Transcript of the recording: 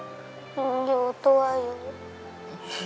หนูอยู่ตัวอยู่